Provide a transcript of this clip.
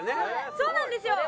そうなんですよ。